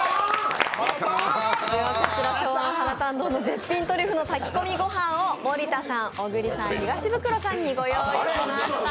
はらたん堂の絶品トリュフの炊き込みご飯を森田さん、小栗さん、東ブクロさんにご用意しました。